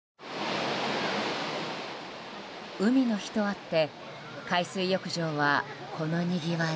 海の日とあって海水浴場はこのにぎわい。